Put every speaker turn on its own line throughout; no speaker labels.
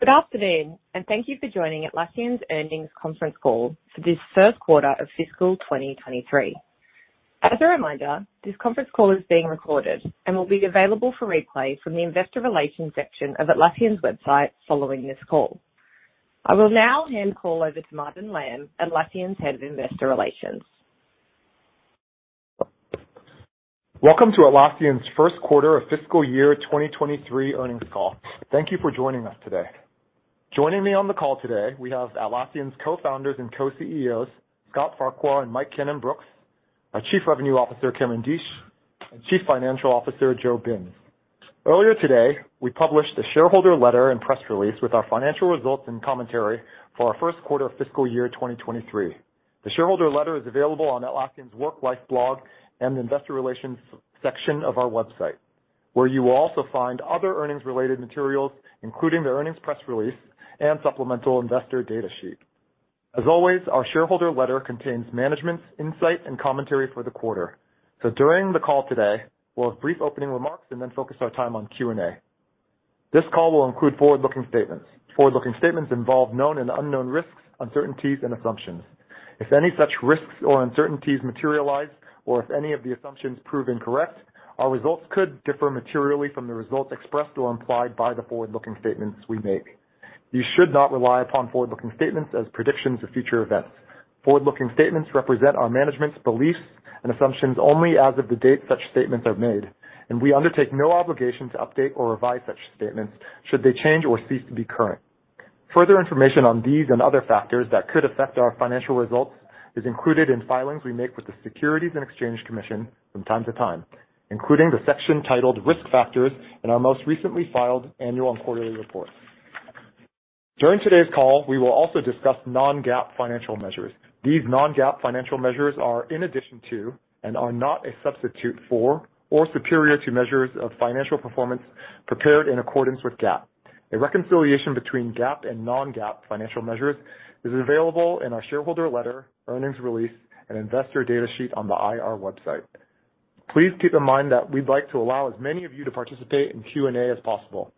Good afternoon and thank you for joining Atlassian's Earnings Conference Call for this First Quarter of Fiscal 2023. As a reminder, this conference call is being recorded and will be available for replay from the investor relations section of Atlassian's website following this call. I will now hand the call over to Martin Lam, Atlassian's Head of Investor Relations.
Welcome to Atlassian's first quarter of fiscal year 2023 earnings call. Thank you for joining us today. Joining me on the call today, we have Atlassian's Co-Founders and Co-CEOs, Scott Farquhar and Mike Cannon-Brookes, our Chief Revenue Officer, Cameron Deatsch, and Chief Financial Officer, Joe Binz. Earlier today, we published a shareholder letter and press release with our financial results and commentary for our first quarter of fiscal year 2023. The shareholder letter is available on Atlassian's Work Life blog and the investor relations section of our website, where you will also find other earnings-related materials, including the earnings press release and supplemental investor data sheet. As always, our shareholder letter contains management's insight and commentary for the quarter. During the call today, we'll have brief opening remarks and then focus our time on Q&A. This call will include forward-looking statements. Forward-looking statements involve known and unknown risks, uncertainties, and assumptions. If any such risks or uncertainties materialize, or if any of the assumptions prove incorrect, our results could differ materially from the results expressed or implied by the forward-looking statements we make. You should not rely upon forward-looking statements as predictions of future events. Forward-looking statements represent our management's beliefs and assumptions only as of the date such statements are made, and we undertake no obligation to update or revise such statements should they change or cease to be current. Further information on these and other factors that could affect our financial results is included in filings we make with the Securities and Exchange Commission from time to time, including the section titled Risk Factors in our most recently filed annual and quarterly reports. During today's call, we will also discuss non-GAAP financial measures. These non-GAAP financial measures are in addition to and are not a substitute for or superior to measures of financial performance prepared in accordance with GAAP. A reconciliation between GAAP and non-GAAP financial measures is available in our shareholder letter, earnings release, and investor data sheet on the IR website. Please keep in mind that we'd like to allow as many of you to participate in Q&A as possible.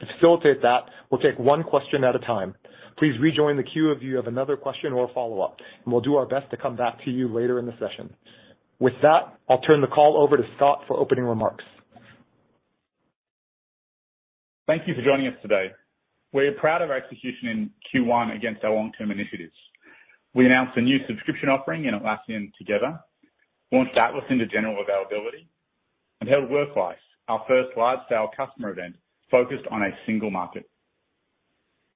To facilitate that, we'll take one question at a time. Please rejoin the queue if you have another question or follow-up, and we'll do our best to come back to you later in the session. With that, I'll turn the call over to Scott for opening remarks.
Thank you for joining us today. We're proud of our execution in Q1 against our long-term initiatives. We announced a new subscription offering in Atlassian Together, launched Atlas into general availability, and held Work Life, our first large-scale customer event focused on a single market.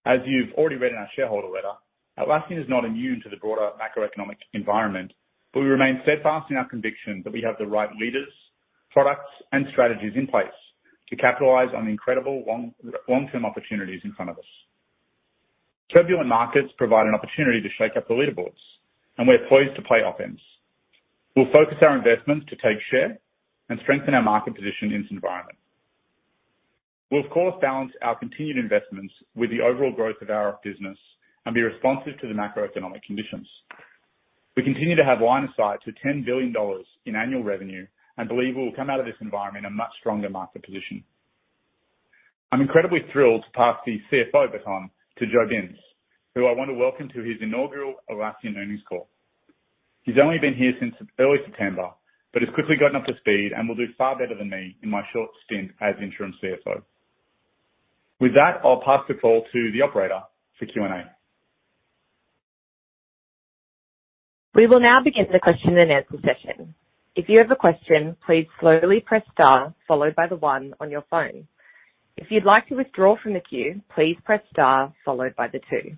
As you've already read in our shareholder letter, Atlassian is not immune to the broader macroeconomic environment, but we remain steadfast in our conviction that we have the right leaders, products, and strategies in place to capitalize on the incredible long, long-term opportunities in front of us. Turbulent markets provide an opportunity to shake up the leaderboards, and we're poised to play offense. We'll focus our investments to take share and strengthen our market position in this environment. We'll of course, balance our continued investments with the overall growth of our business and be responsive to the macroeconomic conditions. We continue to have line of sight to $10 billion in annual revenue and believe we'll come out of this environment in a much stronger market position. I'm incredibly thrilled to pass the CFO baton to Joe Binz, who I want to welcome to his inaugural Atlassian earnings call. He's only been here since early September, but has quickly gotten up to speed and will do far better than me in my short stint as Interim CFO. With that, I'll pass the call to the operator for Q&A.
We will now begin the question and answer session. If you have a question, please slowly press star followed by the one on your phone. If you'd like to withdraw from the queue, please press star followed by the two.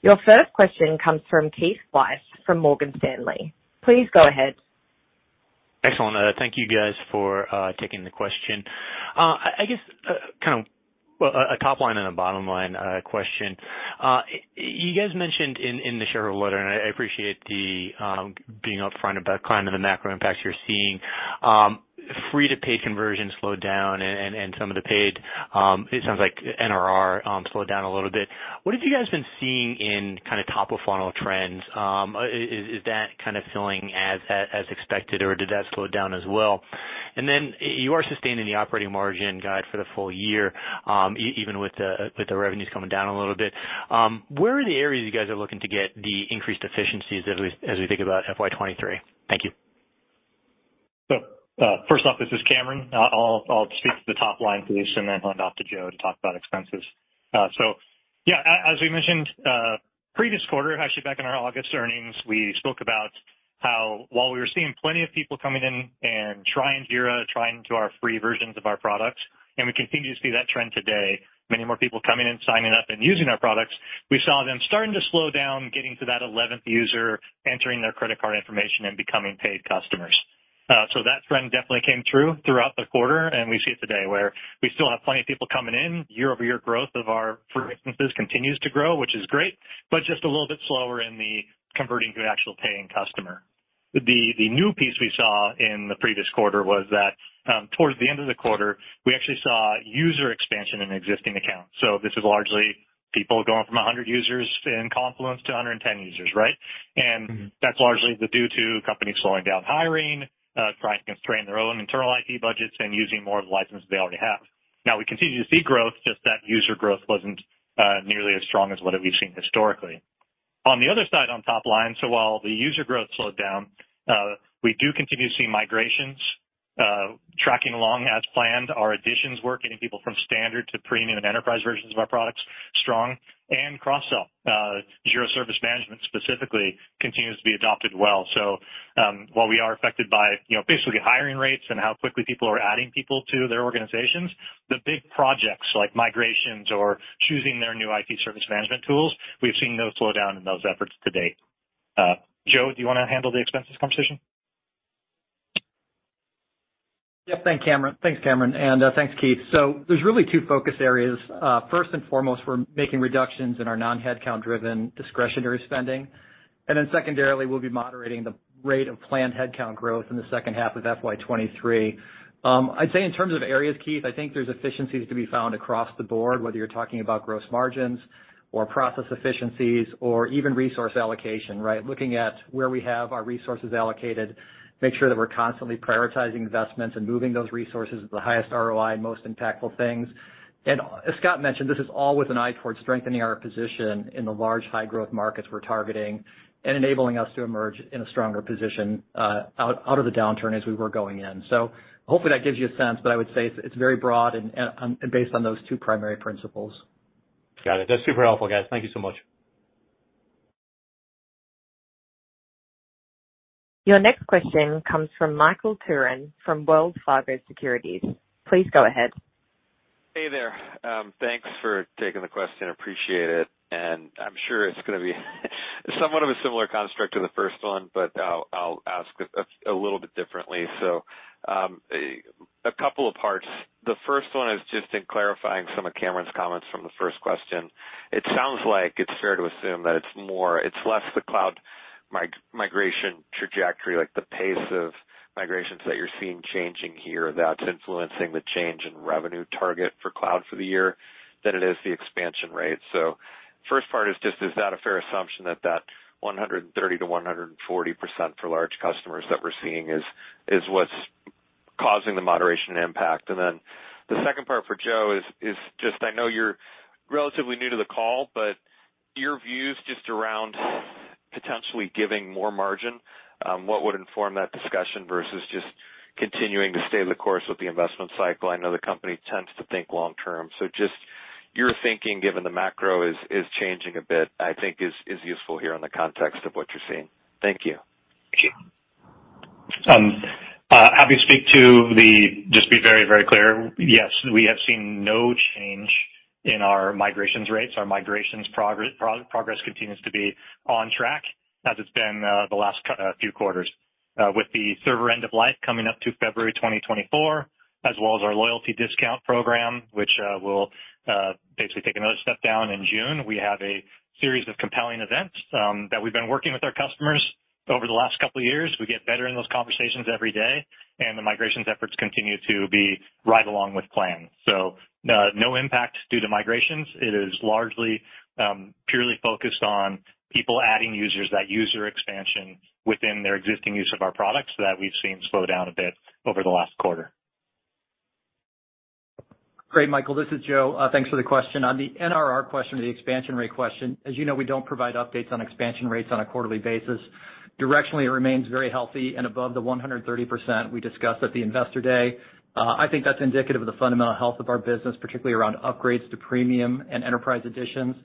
Your first question comes from Keith Weiss from Morgan Stanley. Please go ahead.
Excellent, thank you guys for taking the question. I guess kind of well a top line and a bottom line question. You guys mentioned in the shareholder letter, and I appreciate you being upfront about kind of the macro impacts you're seeing. Free-to-paid conversion slowed down and some of the paid it sounds like NRR slowed down a little bit. What have you guys been seeing in kinda top-of-funnel trends? Is that kind of feeling as expected, or did that slow down as well? Then you are sustaining the operating margin guide for the full year, even with the revenues coming down a little bit. Where are the areas you guys are looking to get the increased efficiencies as we think about FY23? Thank you.
First off, this is Cameron. I'll speak to the top line for this and then hand off to Joe to talk about expenses. As we mentioned previous quarter, actually back in our August earnings, we spoke about how while we were seeing plenty of people coming in and trying Jira, trying our free versions of our products, and we continue to see that trend today, many more people coming in signing up and using our products, we saw them starting to slow down getting to that eleventh user entering their credit card information and becoming paid customers. That trend definitely came through throughout the quarter, and we see it today where we still have plenty of people coming in. Year-over-year growth of our free instances continues to grow, which is great, but just a little bit slower in the converting to an actual paying customer. The new piece we saw in the previous quarter was that, towards the end of the quarter, we actually saw user expansion in existing accounts. This is largely, people going from 100 users in Confluence to 110 users, right? That's largely due to companies slowing down hiring, trying to constrain their own internal IT budgets and using more of the licenses they already have. Now, we continue to see growth, just that user growth wasn't nearly as strong as what we've seen historically. On the other side, on top line, so while the user growth slowed down, we do continue to see migrations tracking along as planned. Our editions work, getting people from standard to premium and enterprise versions of our products, strong. Cross-sell, Jira Service Management specifically continues to be adopted well. While we are affected by, you know, basically hiring rates and how quickly people are adding people to their organizations, the big projects like migrations or choosing their new IT service management tools, we've seen no slowdown in those efforts to date. Joe, do you wanna handle the expenses conversation?
Thanks Cameron and thanks Keith. There's really two focus areas. First and foremost, we're making reductions in our non-headcount driven discretionary spending. Then secondarily, we'll be moderating the rate of planned headcount growth in the second half of FY 2023. I'd say in terms of areas Keith, I think there's efficiencies to be found across the board, whether you're talking about gross margins or process efficiencies or even resource allocation, right? Looking at where we have our resources allocated, make sure that we're constantly prioritizing investments and moving those resources to the highest ROI and most impactful things. As Scott mentioned, this is all with an eye towards strengthening our position in the large, high growth markets we're targeting and enabling us to emerge in a stronger position out of the downturn as we were going in. Hopefully that gives you a sense, but I would say it's very broad and based on those two primary principles.
Got it, that's super helpful guys. Thank you so much.
Your next question comes from Michael Turrin from Wells Fargo Securities. Please go ahead.
Hey there, thanks for taking the question. Appreciate it, I'm sure it's gonna be somewhat of a similar construct to the first one, but I'll ask a little bit differently. A couple of parts. The first one is just in clarifying some of Cameron's comments from the first question. It sounds like it's fair to assume that it's less the cloud migration trajectory, like the pace of migrations that you're seeing changing here that's influencing the change in revenue target for cloud for the year than it is the expansion rate. First part is just, is that a fair assumption that 130%-140% for large customers that we're seeing is what's causing the moderation impact? The second part for Joe is just I know you're relatively new to the call, but your views just around potentially giving more margin, what would inform that discussion versus just continuing to stay the course with the investment cycle? I know the company tends to think long term. Just your thinking, given the macro is changing a bit, I think is useful here in the context of what you're seeing? Thank you.
Happy to speak to the. Just to be very, very clear, yes, we have seen no change in our migrations rates. Our migrations progress continues to be on track as it's been the last few quarters. With the server end of life coming up to February twenty twenty-four, as well as our loyalty discount program, which will basically take another step down in June. We have a series of compelling events that we've been working with our customers over the last couple of years. We get better in those conversations every day, and the migrations efforts continue to be right along with plan. No impact due to migrations. It is largely, purely focused on people adding users, that user expansion within their existing use of our products that we've seen slow down a bit over the last quarter.
Great Michael, this is Joe thanks for the question. On the NRR question or the expansion rate question, as you know, we don't provide updates on expansion rates on a quarterly basis. Directionally, it remains very healthy and above the 130% we discussed at the Investor Day. I think that's indicative of the fundamental health of our business, particularly around upgrades to premium and enterprise editions,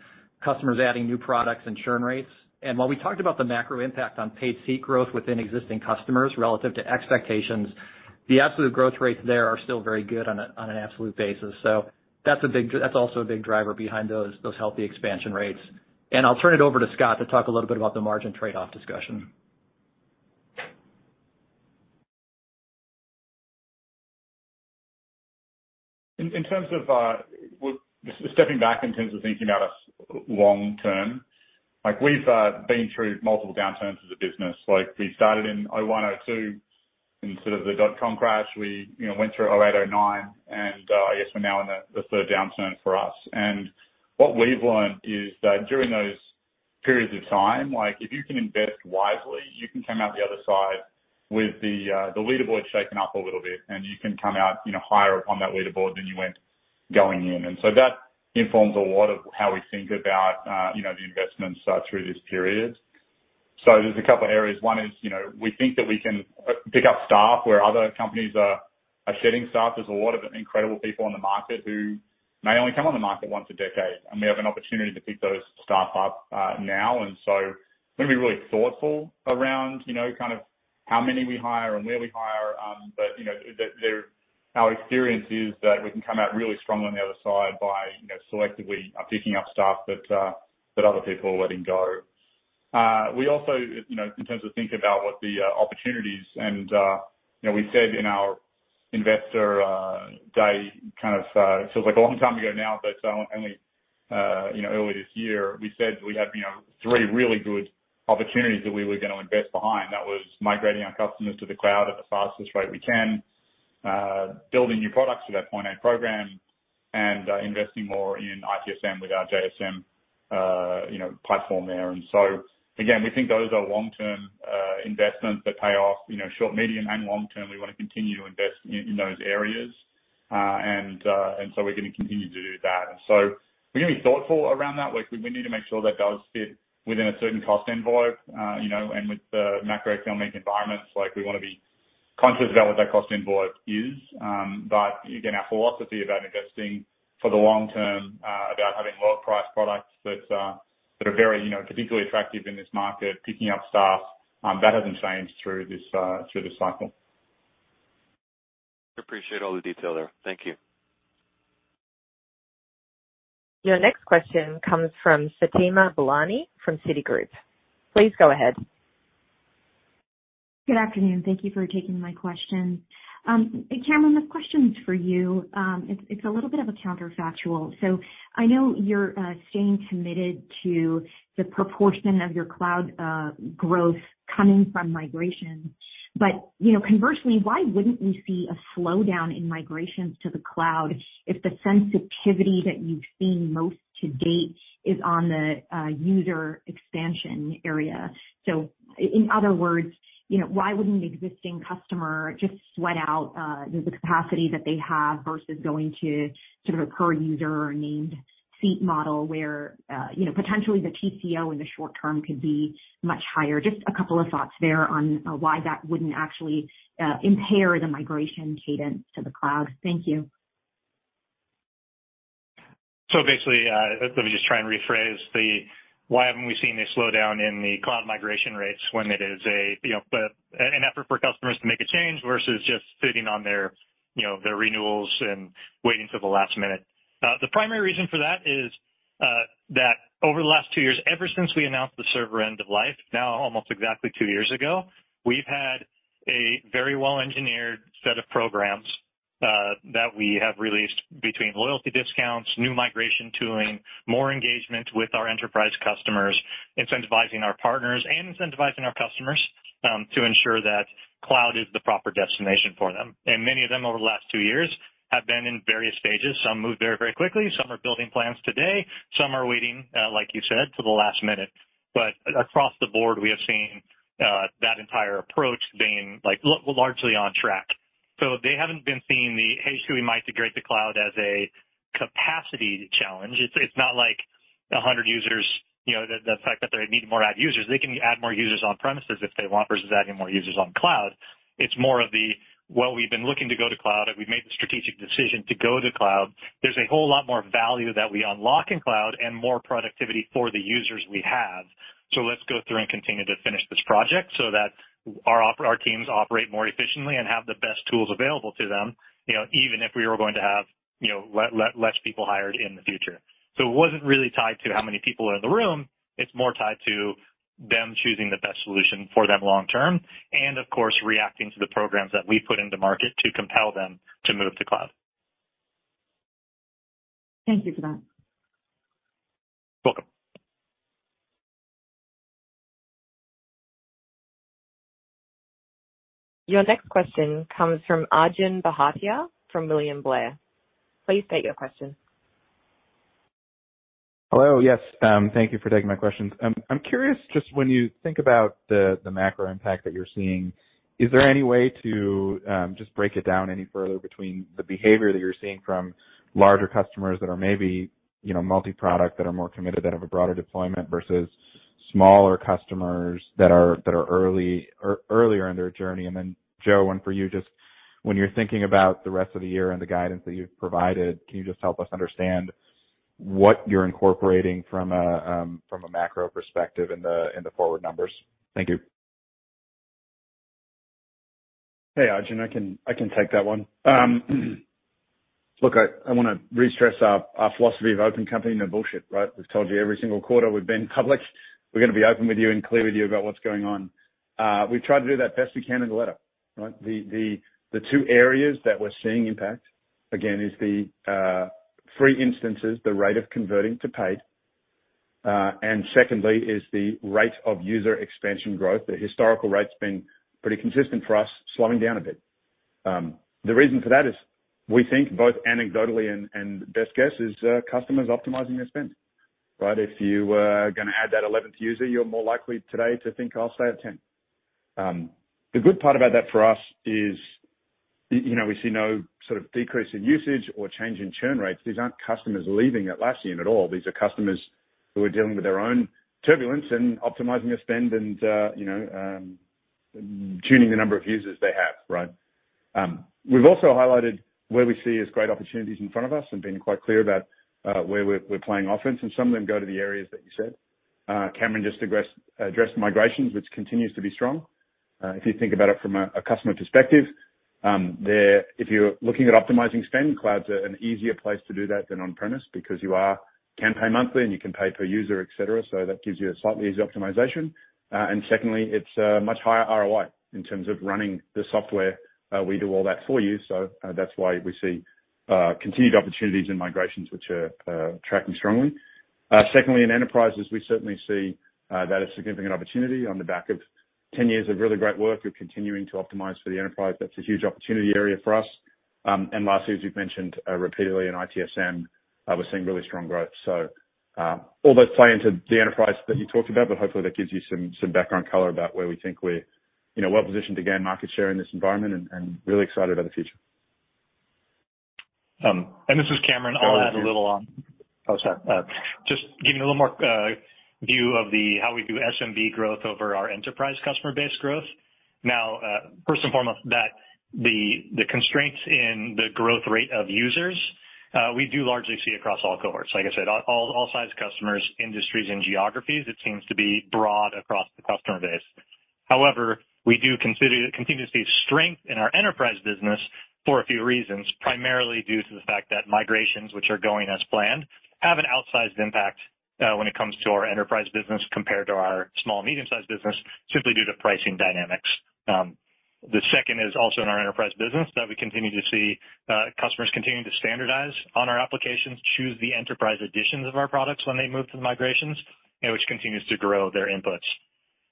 customers adding new products and churn rates. While we talked about the macro impact on paid seat growth within existing customers relative to expectations, the absolute growth rates there are still very good on an absolute basis. That's also a big driver behind those healthy expansion rates. I'll turn it over to Scott to talk a little bit about the margin trade-off discussion.
In terms of stepping back in terms of thinking about us long term, like we've been through multiple downturns as a business. Like, we started in 2001, 2002 in sort of the dotcom crash. We, you know, went through 2008, 2009, and yes, we're now in the third downturn for us. What we've learned is that during those periods of time, like if you can invest wisely, you can come out the other side with the leaderboard shaken up a little bit, and you can come out, you know, higher up on that leaderboard than you went going in. That informs a lot of how we think about, you know, the investments through these periods. There's a couple of areas. One is, you know, we think that we can pick up staff where other companies are shedding staff. There's a lot of incredible people on the market who may only come on the market once a decade, and we have an opportunity to pick those staff up, now. We're gonna be really thoughtful around, you know, kind of how many we hire and where we hire. You know, our experience is that we can come out really strong on the other side by, you know, selectively picking up staff that other people are letting go. We also, you know, in terms of thinking about what the opportunities and, you know, we said in our Investor Day kind of feels like a long time ago now, but only, you know, earlier this year, we said we'd have, you know, three really good opportunities that we were gonna invest behind. That was migrating our customers to the cloud at the fastest rate we can. Building new products for that Point A program and investing more in ITSM with our JSM, you know, platform there. Again, we think those are long-term investments that pay off, you know, short, medium, and long-term. We want to continue to invest in those areas. We're gonna continue to do that. We're gonna be thoughtful around that, like, we need to make sure that does fit within a certain cost envelope. You know, with the macroeconomic environment, like we wanna be conscious about what that cost envelope is. Again, our philosophy about investing for the long term, about having lower priced products that are very, you know, particularly attractive in this market, picking up staff, that hasn't changed through this cycle.
Appreciate all the detail there, thank you.
Your next question comes from Fatima Boolani from Citigroup. Please go ahead.
Good afternoon, thank you for taking my question. Cameron, this question is for you. It's a little bit of a counterfactual. So I know you're staying committed to the proportion of your cloud growth coming from migration, but you know, conversely, why wouldn't we see a slowdown in migrations to the cloud if the sensitivity that you've seen most to date is on the user expansion area? So in other words, you know, why wouldn't an existing customer just sweat out the capacity that they have versus going to sort of a per user named seat model where, you know, potentially the TCO in the short term could be much higher? Just a couple of thoughts there on why that wouldn't actually impair the migration cadence to the cloud, thank you.
Basically, let me just try and rephrase the why haven't we seen a slowdown in the cloud migration rates when it is a, you know, an effort for customers to make a change versus just sitting on their, you know, their renewals and waiting till the last minute. The primary reason for that is that over the last two years, ever since we announced the server end of life now almost exactly two years ago, we've had a very well-engineered set of programs that we have released between loyalty discounts, new migration tooling, more engagement with our enterprise customers, incentivizing our partners and incentivizing our customers, to ensure that cloud is the proper destination for them. Many of them over the last two years have been in various stages. Some moved very, very quickly. Some are building plans today. Some are waiting, like you said, to the last minute. Across the board we have seen that entire approach being like largely on track. They haven't been seeing the "Hey, should we migrate to cloud?" as a capacity challenge. It's not like 100 users. You know, the fact that they need to add more users, they can add more users on premises if they want versus adding more users on cloud. It's more of a "Well, we've been looking to go to cloud, and we've made the strategic decision to go to cloud. There's a whole lot more value that we unlock in cloud and more productivity for the users we have. Let's go through and continue to finish this project so that our teams operate more efficiently and have the best tools available to them, you know, even if we were going to have, you know, less people hired in the future." It wasn't really tied to how many people are in the room, it's more tied to them choosing the best solution for them long term, and of course, reacting to the programs that we put into market to compel them to move to cloud.
Thank you for that.
Welcome.
Your next question comes from Arjun Bhatia from William Blair. Please state your question.
Hello. Yes, thank you for taking my questions. I'm curious, just when you think about the macro impact that you're seeing, is there any way to just break it down any further between the behavior that you're seeing from larger customers that are maybe, you know, multi-product, that are more committed, that have a broader deployment versus smaller customers that are earlier in their journey? And then, Joe one for you just when you're thinking about the rest of the year and the guidance that you've provided, can you just help us understand what you're incorporating from a macro perspective in the forward numbers? Thank you.
Hey Arjun, I can take that one. Look, I wanna re-stress our philosophy of open company, no bullshit, right? We've told you every single quarter we've been public, we're gonna be open with you and clear with you about what's going on. We've tried to do that best we can in the letter, right? The two areas that we're seeing impact, again, is the free instances, the rate of converting to paid. Secondly is the rate of user expansion growth. The historical rate's been pretty consistent for us, slowing down a bit. The reason for that is we think both anecdotally and best guess is customers optimizing their spend, right? If you are gonna add that 11th user, you're more likely today to think I'll stay at 10. The good part about that for us is, you know, we see no sort of decrease in usage or change in churn rates. These aren't customers leaving Atlassian at all. These are customers who are dealing with their own turbulence and optimizing their spend and, you know, tuning the number of users they have, right? We've also highlighted where we see as great opportunities in front of us and been quite clear about, where we're playing offense, and some of them go to the areas that you said. Cameron just addressed migrations, which continues to be strong. If you think about it from a customer perspective, therefore if you're looking at optimizing spend, cloud's an easier place to do that than on premise because you can pay monthly and you can pay per user, etc.. that gives you a slightly easier optimization. Secondly, it's a much higher ROI in terms of running the software. We do all that for you that's why we see continued opportunities in migrations which are tracking strongly. Secondly, in enterprises, we certainly see that as a significant opportunity on the back of ten years of really great work. We're continuing to optimize for the enterprise that's a huge opportunity area for us. And lastly, as we've mentioned repeatedly in ITSM, we're seeing really strong growth. All those play into the enterprise that you talked about, but hopefully that gives you some background color about where we think we're, you know, well-positioned to gain market share in this environment and really excited about the future.
This is Cameron, I'll add a little on. Sorry. Just give you a little more view of how we do SMB growth over our enterprise customer base growth. Now, first and foremost, the constraints in the growth rate of users we do largely see across all cohorts. Like I said, all size customers, industries and geographies. It seems to be broad across the customer base. However, we continue to see strength in our enterprise business for a few reasons, primarily due to the fact that migrations, which are going as planned, have an outsized impact when it comes to our enterprise business compared to our small, medium-sized business simply due to pricing dynamics. The second is also in our enterprise business that we continue to see customers continuing to standardize on our applications, choose the enterprise editions of our products when they move to the migrations, and which continues to grow their inputs.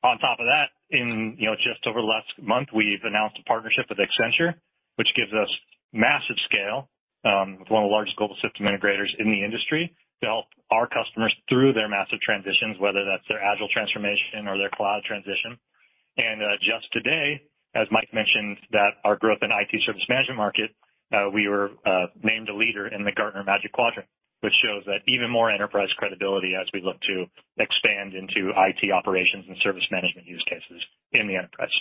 On top of that, you know, just over the last month, we've announced a partnership with Accenture, which gives us massive scale with one of the largest global system integrators in the industry to help our customers through their massive transitions, whether that's their agile transformation or their cloud transition. Just today, as Mike mentioned, that our growth in IT service management market we were named a leader in the Gartner Magic Quadrant, which shows that even more enterprise credibility as we look to expand into IT operations and service management use cases in the enterprise.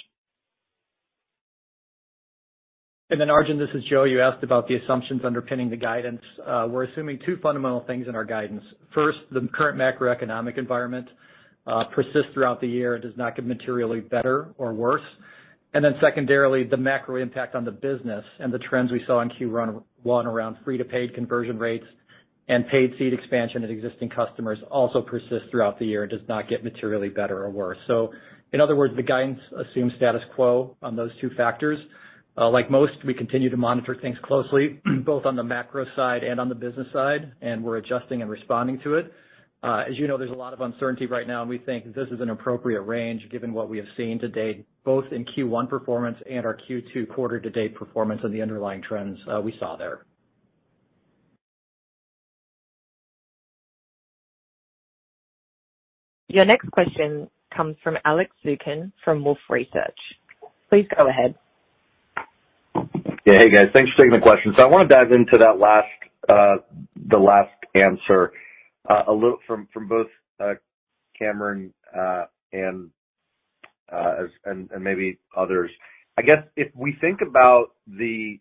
Arjun, this is Joe. You asked about the assumptions underpinning the guidance. We're assuming two fundamental things in our guidance. First, the current macroeconomic environment persists throughout the year and does not get materially better or worse. Secondarily, the macro impact on the business and the trends we saw in Q1 around free to paid conversion rates and paid seat expansion at existing customers also persists throughout the year and does not get materially better or worse. In other words, the guidance assumes status quo on those two factors. Like most, we continue to monitor things closely, both on the macro side and on the business side and we're adjusting and responding to it. As you know, there's a lot of uncertainty right now, and we think this is an appropriate range given what we have seen to date, both in Q1 performance and our Q2 quarter to date performance on the underlying trends, we saw there.
Your next question comes from Alex Zukin from Wolfe Research. Please go ahead.
Yeah. Hey guys, thanks for taking the question. I wanna dive into that last answer a little from both Cameron and maybe others. I guess if we think about the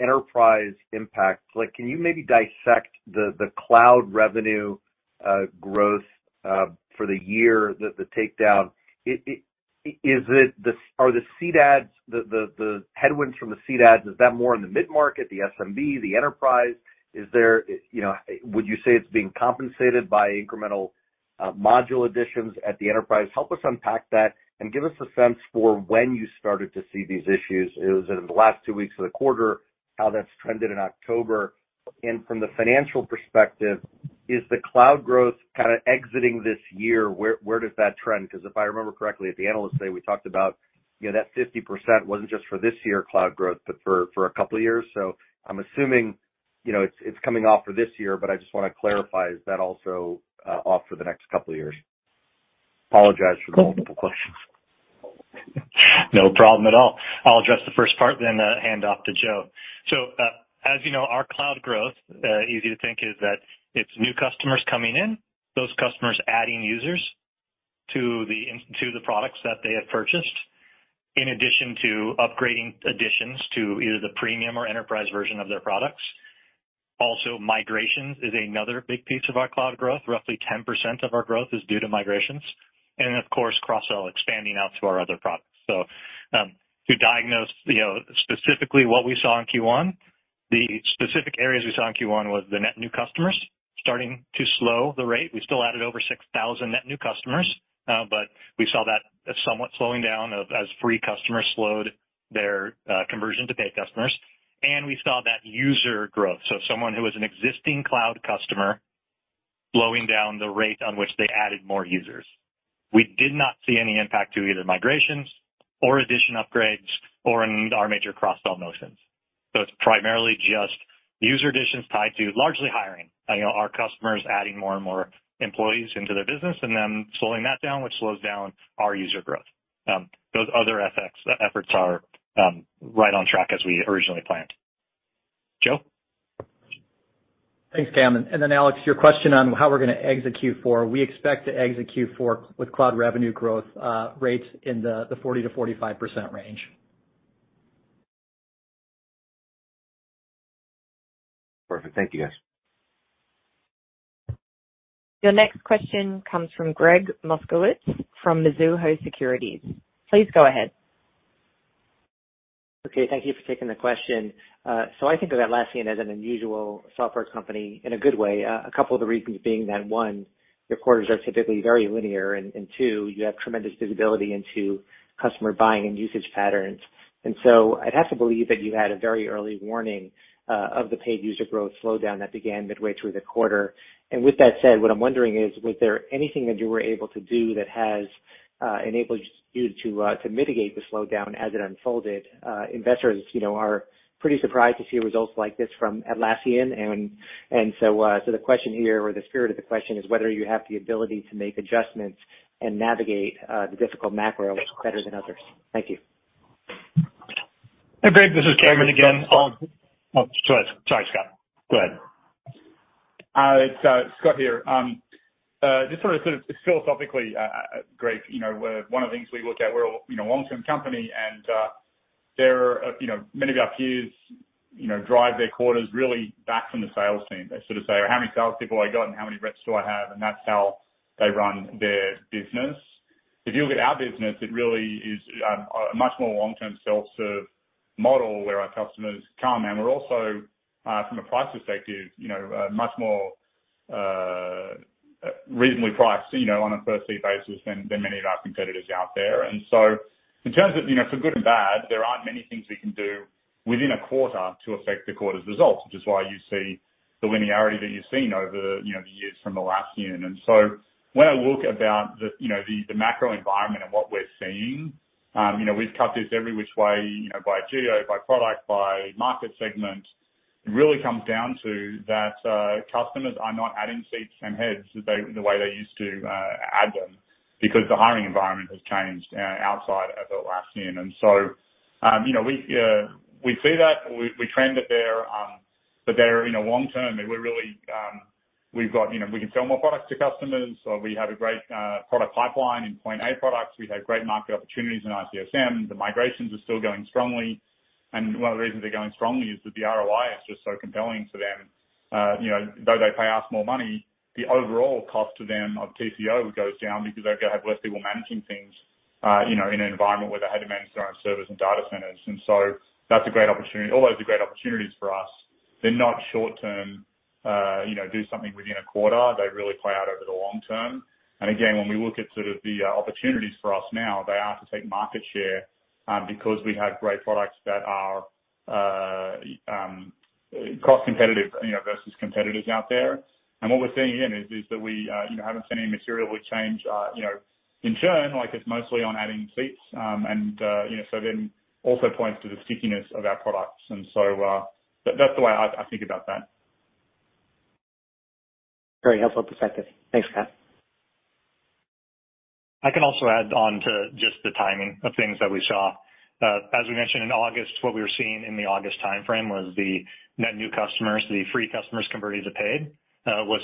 enterprise impact, like, can you maybe dissect the cloud revenue growth for the year, the takedown? Is it the seat adds, the headwinds from the seat adds, is that more in the mid-market, the SMB, the enterprise? Is there, you know, would you say it's being compensated by incremental module additions at the enterprise? Help us unpack that and give us a sense for when you started to see these issues. Is it in the last two weeks of the quarter, how that's trended in October? From the financial perspective, is the cloud growth kinda exiting this year? Where does that trend? 'Cause if I remember correctly, at the Analyst Day, we talked about, you know, that 50% wasn't just for this year cloud growth, but for a couple of years. I'm assuming, you know, it's coming off for this year, but I just wanna clarify, is that also off for the next couple of years? Apologize for the multiple questions.
No problem at all. I'll address the first part then, hand off to Joe. As you know, our cloud growth, easy to think is that it's new customers coming in, those customers adding users to the products that they have purchased, in addition to upgrading additions to either the premium or enterprise version of their products. Also, migrations is another big piece of our cloud growth. Roughly 10% of our growth is due to migrations. Of course, cross-sell expanding out to our other products. To diagnose, you know, specifically what we saw in Q1, the specific areas we saw in Q1 was the net new customers starting to slow the rate. We still added over 6,000 net new customers, but we saw that somewhat slowing down as free customers slowed their, conversion to paid customers. We saw that user growth, so someone who is an existing cloud customer, slowing down the rate on which they added more users. We did not see any impact to either migrations or addition upgrades or in our major cross-sell motions. It's primarily just user additions tied to largely hiring. You know, our customers adding more and more employees into their business and then slowing that down, which slows down our user growth. Those other FX efforts are right on track as we originally planned. Joe?
Thanks Cameron. Alex your question on how we're gonna exit Q4, we expect to exit Q4 with cloud revenue growth rates in the 40%-45% range.
Perfect, thank you guys.
Your next question comes from Gregg Moskowitz from Mizuho Securities. Please go ahead.
Okay, thank you for taking the question. So I think of Atlassian as an unusual software company in a good way. A couple of the reasons being that, one, your quarters are typically very linear and two, you have tremendous visibility into customer buying and usage patterns. I'd have to believe that you had a very early warning of the paid user growth slowdown that began midway through the quarter. With that said, what I'm wondering is, was there anything that you were able to do that has enabled you to mitigate the slowdown as it unfolded? Investors, you know, are pretty surprised to see results like this from Atlassian. The question here, or the spirit of the question is whether you have the ability to make adjustments and navigate the difficult macro better than others. Thank you.
Hey, Gregg, this is Cameron again on— Oh, sure. Sorry, Scott. Go ahead.
It's Scott here. Just sort of philosophically, Gregg, you know, one of the things we look at, we're a, you know, long-term company and there are, you know, many of our peers, you know, drive their quarters really hard from the sales team. They sort of say, "How many sales people I got and how many reps do I have?" That's how they run their business. If you look at our business, it really is a much more long-term self-serve model where our customers come, and we're also from a price perspective, you know, much more reasonably priced, you know, on a per seat basis than many of our competitors out there. In terms of, you know, for good and bad, there aren't many things we can do within a quarter to affect the quarter's results, which is why you see the linearity that you've seen over, you know, the years from Atlassian. When I look about the, you know, the macro environment and what we're seeing, you know, we've cut this every which way, you know, by geo, by product, by market segment. It really comes down to that. Customers are not adding seats and heads the way they used to add them because the hiring environment has changed outside of Atlassian. You know, we see that. We trend it there, but in the long term, we're really. We've got, you know, we can sell more products to customers. We have a great product pipeline in Point A products. We have great market opportunities in ITSM. The migrations are still going strongly. One of the reasons they're going strongly is that the ROI is just so compelling to them. You know, though they pay us more money, the overall cost to them of TCO goes down because they're gonna have less people managing things, you know, in an environment where they had to manage their own servers and data centers. That's a great opportunity. All those are great opportunities for us. They're not short term, you know, do something within a quarter. They really play out over the long term. Again, when we look at sort of the opportunities for us now, they are to take market share, because we have great products that are cost competitive, you know, versus competitors out there. What we're seeing again is that we you know haven't seen any material change you know in churn, like it's mostly on adding seats. You know, so then also points to the stickiness of our products. That's the way I think about that.
Very helpful perspective. Thanks Scott.
I can also add on to just the timing of things that we saw. As we mentioned in August, what we were seeing in the August timeframe was the net new customers, the free customers converting to paid, going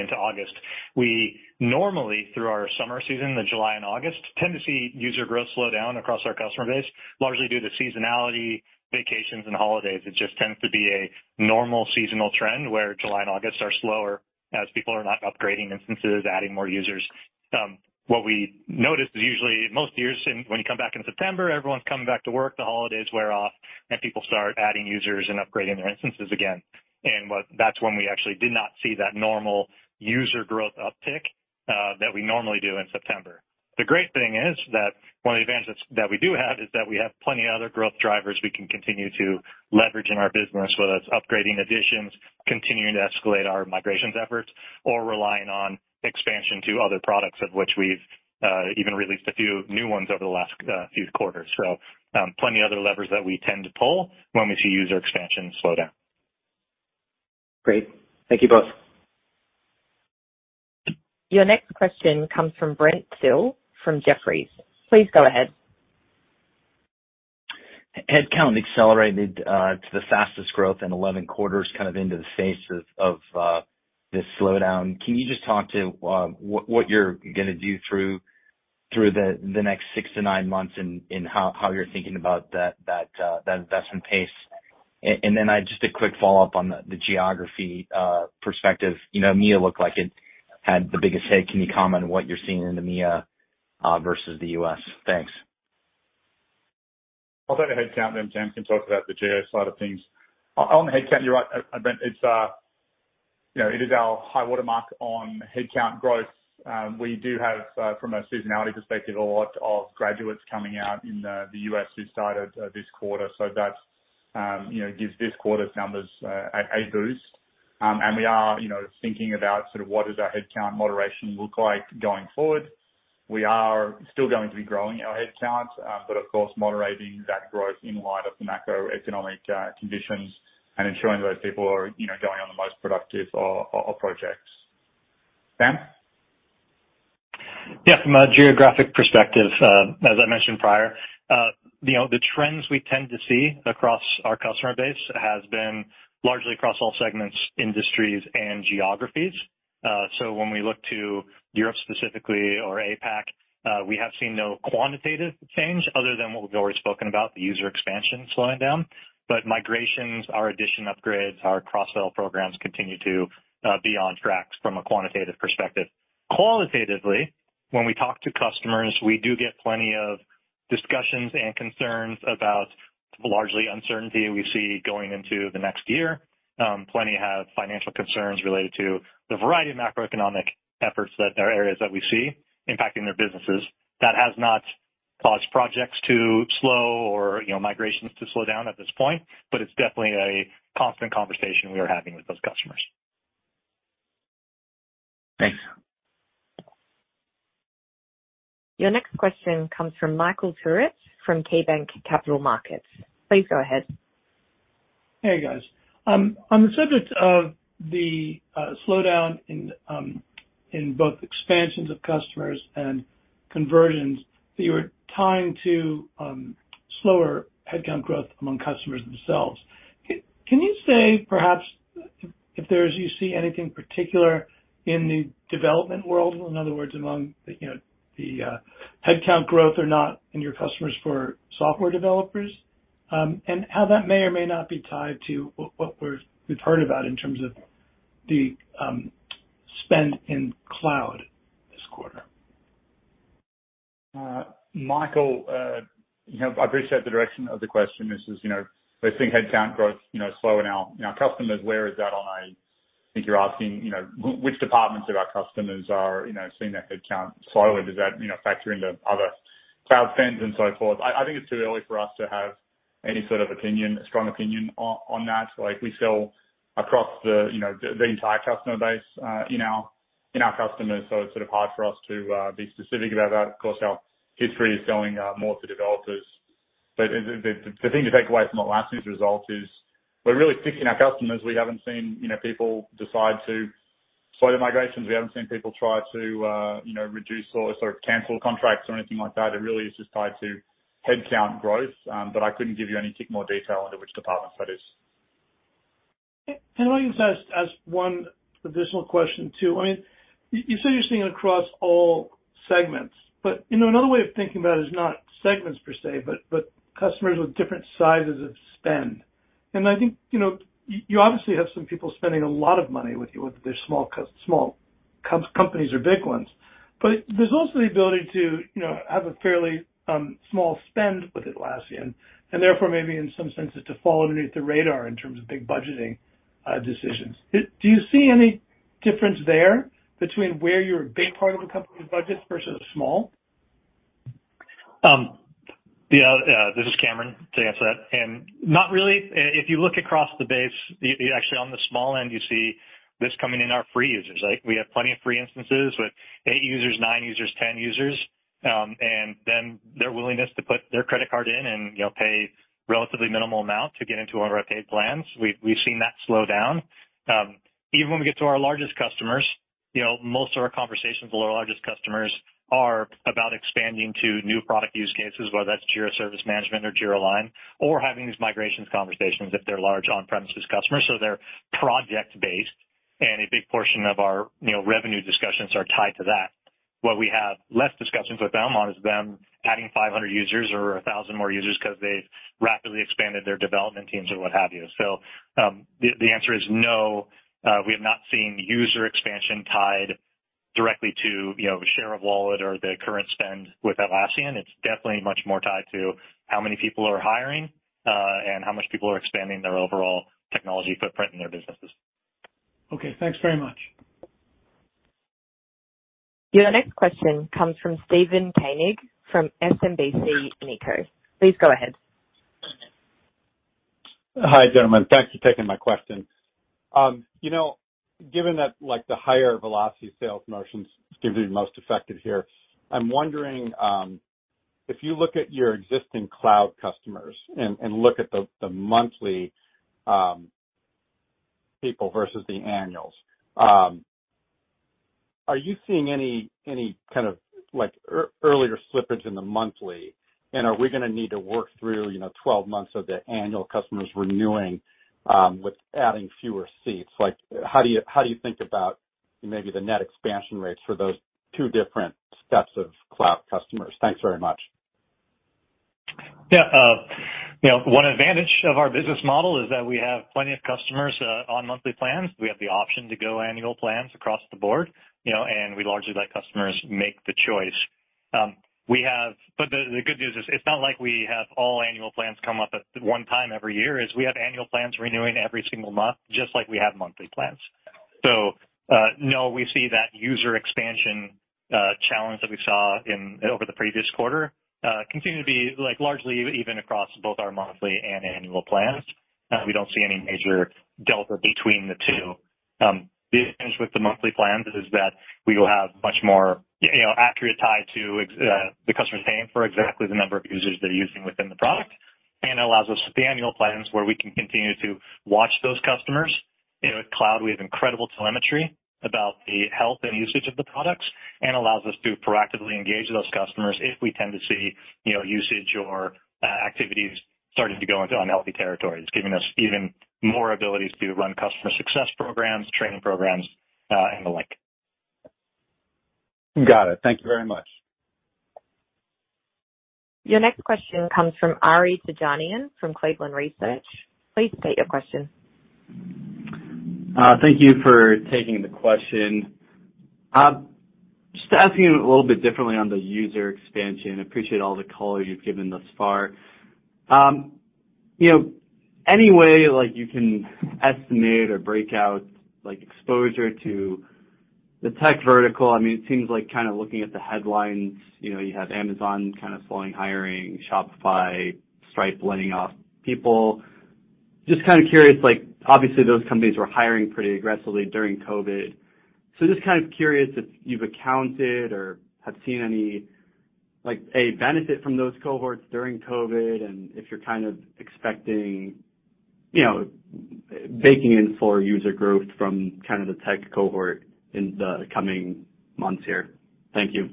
into August. We normally, through our summer season, the July and August, tend to see user growth slow down across our customer base, largely due to seasonality, vacations, and holidays. It just tends to be a normal seasonal trend where July and August are slower as people are not upgrading instances, adding more users. What we noticed is usually most years in, when you come back in September, everyone's coming back to work, the holidays wear off, and people start adding users and upgrading their instances again. That's when we actually did not see that normal user growth uptick that we normally do in September. The great thing is that one of the advantages that we do have is that we have plenty other growth drivers we can continue to leverage in our business, whether it's upgrading editions, continuing to escalate our migrations efforts, or relying on expansion to other products, of which we've even released a few new ones over the last few quarters. Plenty other levers that we tend to pull when we see user expansion slow down.
Great, thank you both.
Your next question comes from Brent Thill from Jefferies. Please go ahead.
Headcount accelerated to the fastest growth in 11 quarters, kind of into the face of this slowdown. Can you just talk to what you're gonna do through the next six-nine months and how you're thinking about that investment pace? Just a quick follow-up on the geography perspective. You know, EMEA looked like it had the biggest hit. Can you comment on what you're seeing in the EMEA versus the U.S.? Thanks.
I'll take the headcount, then Cam can talk about the geo side of things. On the headcount, you're right, Brent, it's, you know, it is our high water mark on headcount growth. We do have, from a seasonality perspective, a lot of graduates coming out in, the U.S. who started, this quarter. So that, you know, gives this quarter's numbers, a boost. We are, you know, thinking about sort of what does our headcount moderation look like going forward. We are still going to be growing our headcount, but of course, moderating that growth in light of the macroeconomic conditions and ensuring those people are, you know, going on the most productive projects. Cam?
Yeah, from a geographic perspective, as I mentioned prior, you know, the trends we tend to see across our customer base has been largely across all segments, industries and geographies. When we look to Europe specifically or APAC, we have seen no quantitative change other than what we've already spoken about, the user expansion slowing down. Migrations, our edition upgrades, our cross-sell programs continue to be on track from a quantitative perspective. Qualitatively, when we talk to customers, we do get plenty of discussions and concerns about largely uncertainty we see going into the next year. Plenty have financial concerns related to the variety of macroeconomic factors that are areas that we see impacting their businesses. That has not caused projects to slow or, you know, migrations to slow down at this point, but it's definitely a constant conversation we are having with those customers.
Thanks.
Your next question comes from Michael Turrin from Wells Fargo Securities. Please go ahead.
Hey, guys. On the subject of the slowdown in both expansions of customers and conversions that you were tying to slower headcount growth among customers themselves. Can you say perhaps if there is you see anything particular in the development world, in other words, among the, you know, the headcount growth or not in your customers for software developers, and how that may or may not be tied to what we've heard about in terms of the spend in cloud this quarter?
Michael, you know, I appreciate the direction of the question. This is, you know, we're seeing headcount growth, you know, slow in our customers. I think you're asking, you know, which departments of our customers are, you know, seeing their headcount slowly. Does that, you know, factor into other cloud spends and so forth? I think it's too early for us to have any sort of opinion, strong opinion on that. Like, we sell across the, you know, the entire customer base in our customers, so it's sort of hard for us to be specific about that. Of course, our history is selling more to developers. The thing to take away from Atlassian's results is we're really sticking with our customers. We haven't seen, you know, people decide to slow their migrations. We haven't seen people try to, you know, reduce or sort of cancel contracts or anything like that. It really is just tied to headcount growth, but I couldn't give you any more detail into which departments that is.
If I can just ask one additional question, too. I mean, you say you're seeing across all segments, but, you know, another way of thinking about it is not segments per se, but customers with different sizes of spend. I think, you know, you obviously have some people spending a lot of money with you, whether they're small companies or big ones. There's also the ability to, you know, have a fairly small spend with Atlassian, and therefore maybe in some senses to fall underneath the radar in terms of big budgeting decisions. Do you see any difference there between where you're a big part of a company's budget versus small?
This is Cameron to answer that. Not really. If you look across the base, you actually on the small end, you see this coming in our free users. Like, we have plenty of free instances with eight users, nine users, 10 users, and then their willingness to put their credit card in and, you know, pay relatively minimal amount to get into one of our paid plans. We've seen that slow down. Even when we get to our largest customers, you know, most of our conversations with our largest customers are about expanding to new product use cases, whether that's Jira Service Management or Jira Align, or having these migrations conversations if they're large on-premises customers, so they're project based, and a big portion of our, you know, revenue discussions are tied to that. What we have less discussions with them on is them adding 500 users or 1,000 more users because they've rapidly expanded their development teams or what have you. The answer is no, we have not seen user expansion tied directly to, you know, share of wallet or the current spend with Atlassian. It's definitely much more tied to how many people are hiring, and how much people are expanding their overall technology footprint in their businesses.
Okay, thanks very much.
Your next question comes from Steven Enders from SMBC Nikko. Please go ahead.
Hi, gentlemen. Thanks for taking my question. You know, given that, like, the higher velocity sales motions seem to be most effective here, I'm wondering if you look at your existing cloud customers and look at the monthly people versus the annuals, are you seeing any kind of like earlier slippage in the monthly? Are we gonna need to work through, you know, 12 months of the annual customers renewing with adding fewer seats? Like, how do you think about maybe the net expansion rates for those two different sets of cloud customers? Thanks very much.
Yeah, you know, one advantage of our business model is that we have plenty of customers on monthly plans. We have the option to go annual plans across the board, you know, and we largely let customers make the choice. The good news is it's not like we have all annual plans come up at one time every year, is we have annual plans renewing every single month, just like we have monthly plans. No, we see that user expansion challenge that we saw in over the previous quarter continue to be like largely even across both our monthly and annual plans. We don't see any major delta between the two. The advantage with the monthly plans is that we will have much more, you know, accurate tie to the customer is paying for exactly the number of users they're using within the product. It allows us with the annual plans where we can continue to watch those customers. You know, with cloud, we have incredible telemetry about the health and usage of the products and allows us to proactively engage those customers if we tend to see, you know, usage or activities starting to go into unhealthy territories, giving us even more abilities to run customer success programs, training programs, and the like.
Got it, thank you very much.
Your next question comes from Ari Terjanian from Cleveland Research. Please state your question.
Thank you for taking the question. Just asking a little bit differently on the user expansion. Appreciate all the color you've given thus far. You know, any way like you can estimate or break out, like, exposure to the tech vertical. I mean, it seems like kind of looking at the headlines, you know, you have Amazon kind of slowing hiring, Shopify, Stripe laying off people. Just kind of curious, like obviously those companies were hiring pretty aggressively during COVID. Just kind of curious if you've accounted or have seen any, like, a benefit from those cohorts during COVID and if you're kind of expecting, you know, baking in for user growth from kind of the tech cohort in the coming months here. Thank you.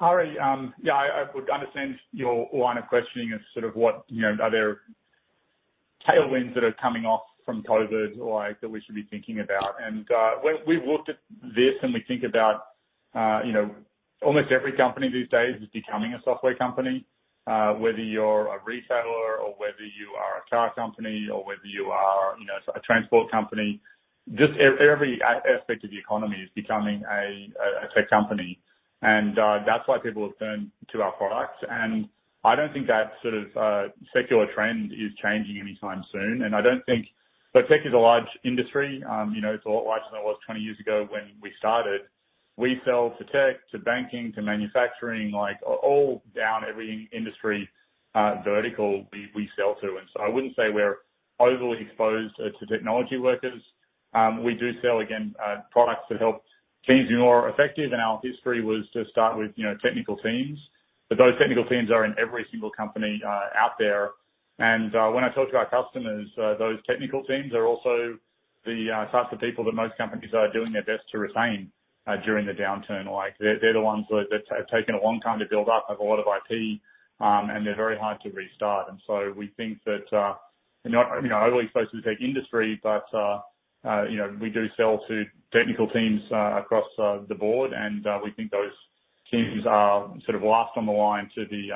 Ari, I would understand your line of questioning as sort of what, you know, are there tailwinds that are coming off from COVID or like that we should be thinking about. We've looked at this and we think about, you know, almost every company these days is becoming a software company, whether you're a retailer or whether you are a car company or whether you are, you know, a transport company, just every aspect of the economy is becoming a tech company. That's why people have turned to our products. I don't think that sort of secular trend is changing anytime soon. Tech is a large industry, you know, it's a lot larger than it was 20 years ago when we started. We sell to tech, to banking, to manufacturing, like all down every industry, vertical we sell to. I wouldn't say we're overly exposed to technology workers. We do sell, again, products that help teams be more effective. Our history was to start with, you know, technical teams. Those technical teams are in every single company out there. When I talk to our customers, those technical teams are also the types of people that most companies are doing their best to retain during the downturn. Like, they're the ones that have taken a long time to build up, have a lot of IT, and they're very hard to restart. We think that they're not, you know, overly exposed to the tech industry, but you know, we do sell to technical teams across the board. We think those teams are sort of last on the line to be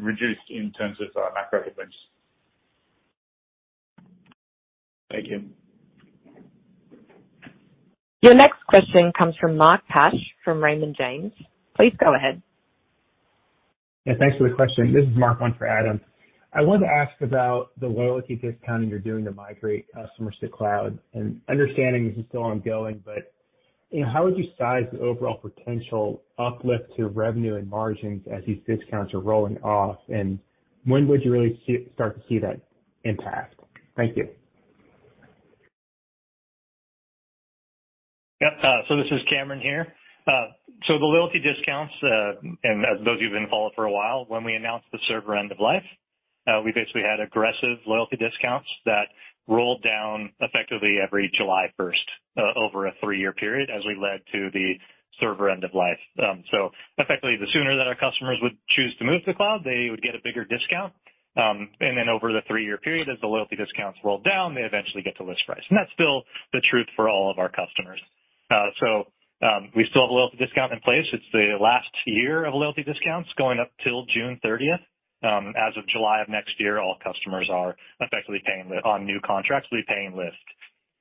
reduced in terms of macro headwinds.
Thank you.
Your next question comes from Mark Cash from Raymond James. Please go ahead.
Yeah, thanks for the question. This is Mark Cash, one for Adam Tindle. I wanted to ask about the loyalty discounting you're doing to migrate customers to cloud. Understanding this is still ongoing, but, you know, how would you size the overall potential uplift to revenue and margins as these discounts are rolling off? When would you really see, start to see that impact? Thank you.
Yep. This is Cameron here. The loyalty discounts and as those of you who've been following for a while, when we announced the server end of life, we basically had aggressive loyalty discounts that rolled down effectively every July first over a three-year period as we led to the server end of life. Effectively, the sooner that our customers would choose to move to the cloud, they would get a bigger discount. Over the three-year period, as the loyalty discounts rolled down, they eventually get to list price. That's still the truth for all of our customers. We still have a loyalty discount in place. It's the last year of loyalty discounts going up till June 30th. As of July of next year, all customers are effectively paying list on new contracts, will be paying list.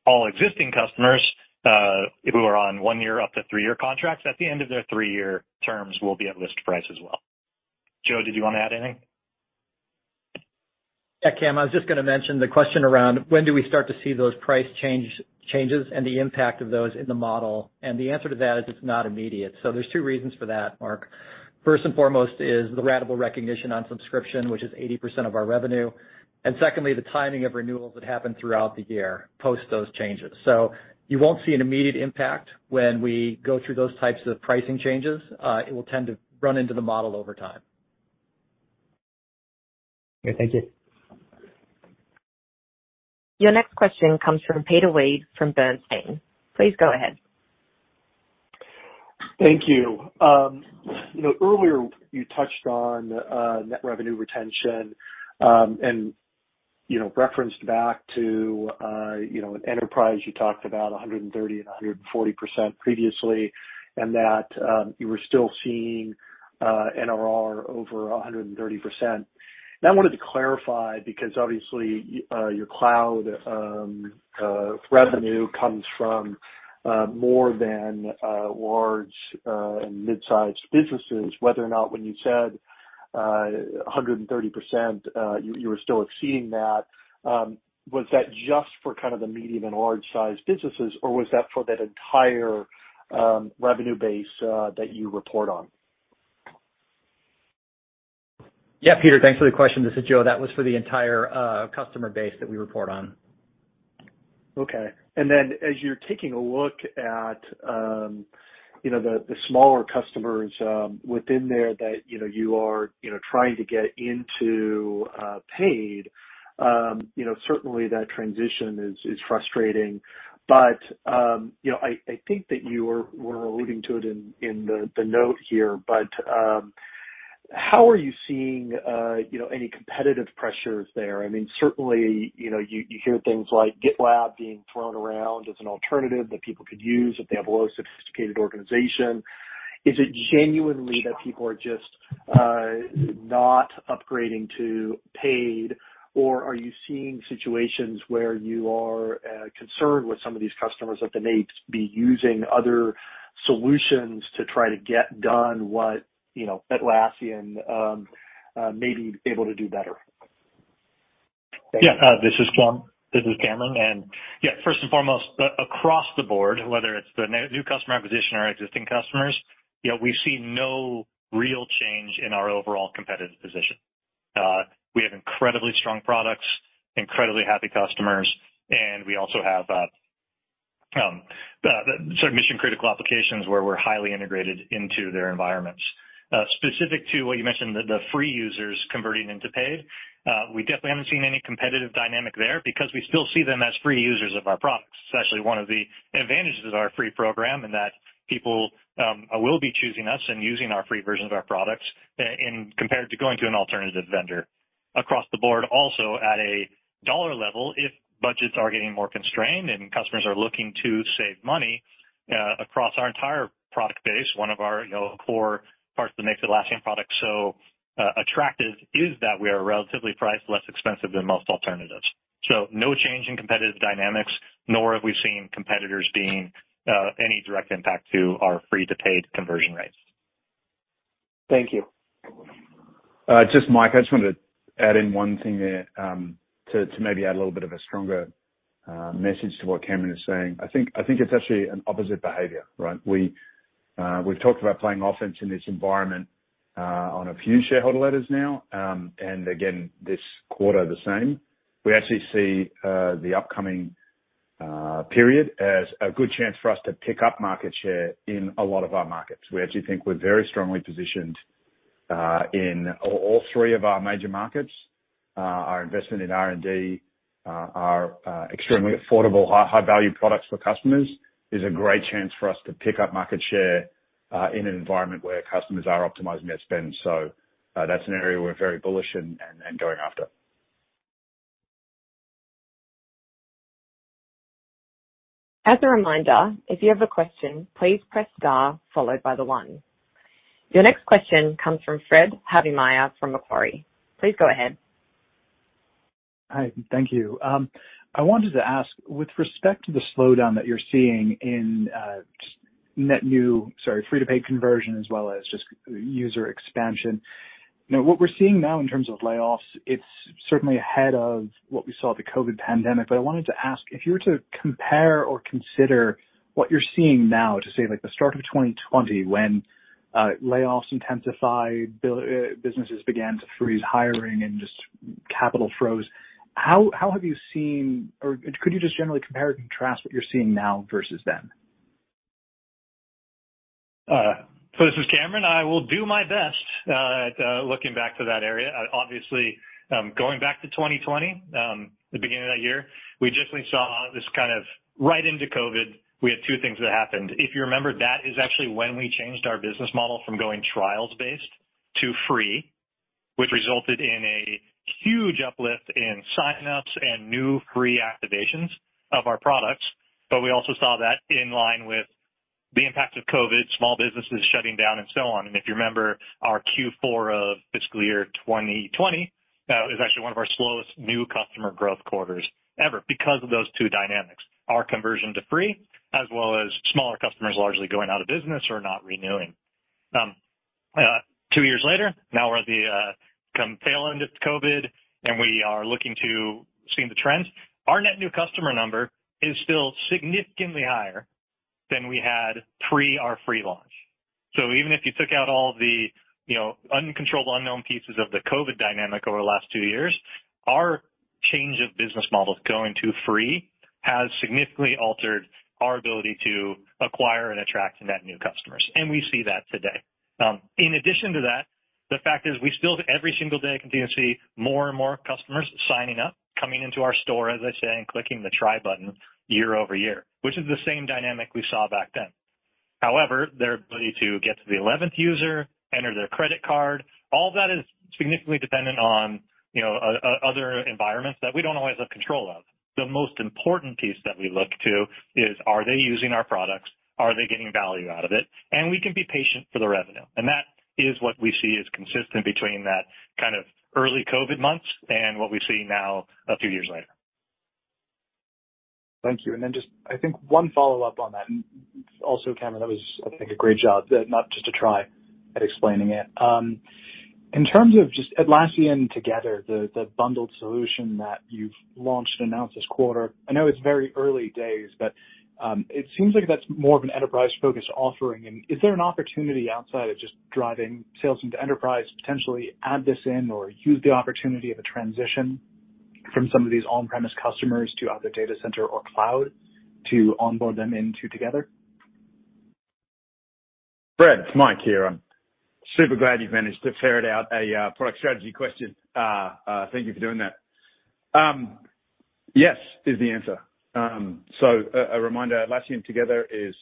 All existing customers who are on one-year up to three-year contracts, at the end of their three-year terms will be at list price as well. Joe, did you wanna add anything?
Yeah Cam, I was just gonna mention the question around when do we start to see those price changes and the impact of those in the model? The answer to that is it's not immediate. There's two reasons for that Mark. First and foremost is the ratable recognition on subscription, which is 80% of our revenue. Secondly, the timing of renewals that happen throughout the year post those changes. You won't see an immediate impact when we go through those types of pricing changes. It will tend to run into the model over time.
Okay, thank you.
Your next question comes from Peter Weed from Bernstein. Please go ahead.
Thank you. You know, earlier you touched on net revenue retention, and you know, referenced back to you know, an enterprise you talked about 130% and 140% previously, and that you were still seeing NRR over 130%. I wanted to clarify, because obviously, your cloud revenue comes from more than large and mid-sized businesses, whether or not when you said 130%, you were still exceeding that, was that just for kind of the medium and large sized businesses, or was that for that entire revenue base that you report on?
Yeah Peter, thanks for the question this is Joe. That was for the entire customer base that we report on.
Okay. As you're taking a look at you know the smaller customers within there that you know you are you know trying to get into paid you know certainly that transition is frustrating. You know I think that you were alluding to it in the note here, but how are you seeing you know any competitive pressures there? I mean, certainly, you hear things like GitLab being thrown around as an alternative that people could use if they have a less sophisticated organization. Is it genuinely that people are just not upgrading to paid, or are you seeing situations where you are concerned with some of these customers that they may be using other solutions to try to get done what, you know, Atlassian may be able to do better?
Yeah. This is Cam—this is Cameron. Yeah, first and foremost, across the board, whether it's the new customer acquisition or existing customers, you know, we see no real change in our overall competitive position. We have incredibly strong products, incredibly happy customers, and we also have the sort of mission-critical applications where we're highly integrated into their environments. Specific to what you mentioned, the free users converting into paid, we definitely haven't seen any competitive dynamic there because we still see them as free users of our products. It's actually one of the advantages of our free program, in that people will be choosing us and using our free versions of our products compared to going to an alternative vendor. Across the board also at a dollar level, if budgets are getting more constrained and customers are looking to save money, across our entire product base, one of our, you know, core parts that makes Atlassian products so, attractive is that we are relatively priced less expensive than most alternatives. No change in competitive dynamics, nor have we seen competitors being any direct impact to our free-to-paid conversion rates.
Thank you.
It's Mike, I just wanted to add in one thing there, to maybe add a little bit of a stronger message to what Cameron is saying. I think it's actually an opposite behavior, right? We've talked about playing offense in this environment, on a few shareholder letters now, and again, this quarter the same. We actually see the upcoming period as a good chance for us to pick up market share in a lot of our markets. We actually think we're very strongly positioned in all three of our major markets. Our investment in R&D are extremely affordable, high value products for customers is a great chance for us to pick up market share in an environment where customers are optimizing their spend that's an area we're very bullish and going after.
As a reminder, if you have a question, please press star followed by the one. Your next question comes from Fred Havemeyer from Macquarie. Please go ahead.
Hi, thank you. I wanted to ask, with respect to the slowdown that you're seeing in free-to-paid conversion as well as just user expansion. Now, what we're seeing now in terms of layoffs, it's certainly ahead of what we saw at the COVID pandemic, but I wanted to ask, if you were to compare or consider what you're seeing now to, say, like, the start of 2020? When layoffs intensified, businesses began to freeze hiring and just capital froze? How have you seen or could you just generally compare and contrast what you're seeing now versus then?
This is Cameron. I will do my best at looking back to that area. Obviously, going back to 2020, the beginning of that year, we definitely saw this kind of right into COVID, we had two things that happened. If you remember, that is actually when we changed our business model from going trials based to free, which resulted in a huge uplift in sign-ups and new free activations of our products. But we also saw that in line with the impact of COVID, small businesses shutting down and so on. If you remember our Q4 of fiscal year 2020 is actually one of our slowest new customer growth quarters ever because of those two dynamics, our conversion to free as well as smaller customers largely going out of business or not renewing. Two years later, now we're at the tail end of COVID, and we are looking to seeing the trends. Our net new customer number is still significantly higher than we had pre our free launch. Even if you took out all the, you know, uncontrolled, unknown pieces of the COVID dynamic over the last two years, our change of business models going to free has significantly altered our ability to acquire and attract net new customers, and we see that today. In addition to that, the fact is we still every single day continue to see more and more customers signing up, coming into our store, as I say, and clicking the try button year over year, which is the same dynamic we saw back then. However, their ability to get to the eleventh user, enter their credit card, all that is significantly dependent on, you know, other environments that we don't always have control of. The most important piece that we look to is, are they using our products? Are they getting value out of it? We can be patient for the revenue. That is what we see is consistent between that kind of early COVID months and what we see now a few years later.
Thank you. Just I think one follow-up on that. Also, Cameron, that was I think a great job, not just to try at explaining it. In terms of just Atlassian Together, the bundled solution that you've launched and announced this quarter, I know it's very early days, but it seems like that's more of an enterprise-focused offering. Is there an opportunity outside of just driving sales into enterprise, potentially add this in or use the opportunity of a transition from some of these on-premises customers to either Data Center or Cloud to onboard them into Together?
Fred, it's Mike here. I'm super glad you've managed to ferret out a product strategy question. Thank you for doing that. Yes is the answer. A reminder, Atlassian Together is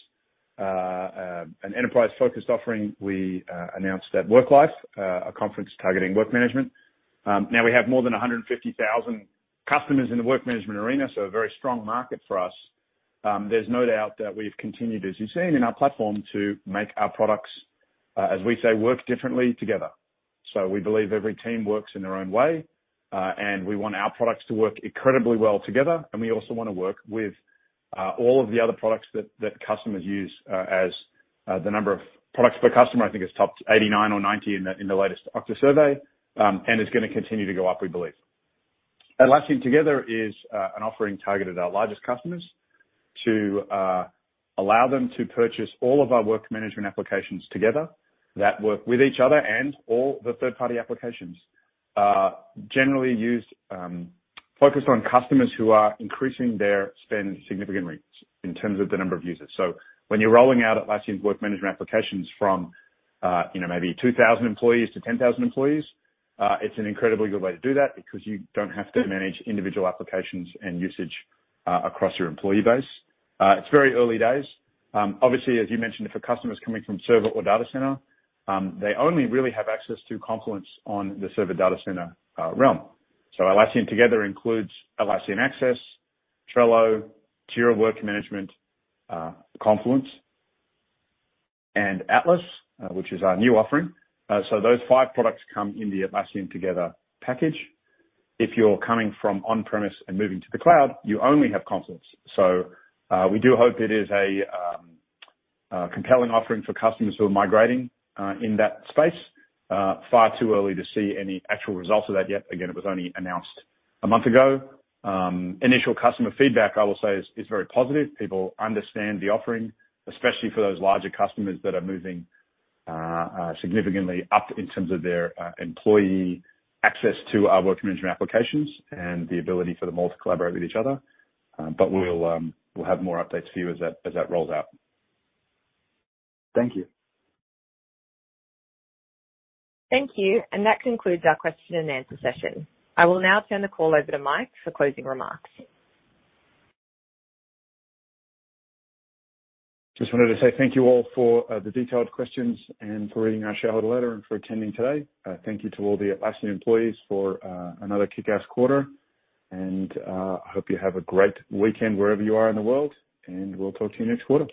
an enterprise-focused offering. We announced at Work Life, a conference targeting work management. Now we have more than 150,000 customers in the work management arena, so a very strong market for us. There's no doubt that we've continued, as you've seen in our platform, to make our products, as we say, work differently together. We believe every team works in their own way, and we want our products to work incredibly well together, and we also wanna work with all of the other products that customers use, as the number of products per customer, I think, has topped 89 or 90 in the latest Okta survey, and is gonna continue to go up, we believe. Atlassian Together is an offering targeted at our largest customers to allow them to purchase all of our work management applications together that work with each other and/or the third-party applications generally used. Focused on customers who are increasing their spend significantly in terms of the number of users. When you're rolling out Atlassian's work management applications from, you know, maybe 2,000 employees to 10,000 employees, it's an incredibly good way to do that because you don't have to manage individual applications and usage across your employee base, it's very early days. Obviously, as you mentioned, if a customer is coming from Server or Data Center, they only really have access to Confluence on the Server Data Center realm. Atlassian Together includes Atlassian Access, Trello, Jira Work Management, Confluence, and Atlas, which is our new offering. Those five products come in the Atlassian Together package. If you're coming from on-premise and moving to the cloud, you only have Confluence. We do hope it is a compelling offering for customers who are migrating in that space. It's far too early to see any actual results of that yet. Again, it was only announced a month ago. Initial customer feedback, I will say, is very positive. People understand the offering, especially for those larger customers that are moving significantly up in terms of their employee access to our work management applications and the ability for them all to collaborate with each other. We'll have more updates for you as that rolls out.
Thank you.
Thank you. That concludes our question and answer session. I will now turn the call over to Mike for closing remarks.
Just wanted to say thank you all for the detailed questions and for reading our shareholder letter and for attending today. Thank you to all the Atlassian employees for another kickass quarter. I hope you have a great weekend wherever you are in the world, and we'll talk to you next quarter.